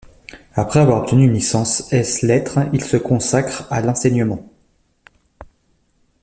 Après avoir obtenu une licence ès lettres, il se consacre à l'enseignement.